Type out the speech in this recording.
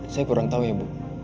saya kurang tahu ya bu